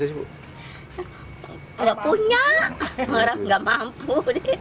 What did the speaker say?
tidak punya orang orang tidak mampu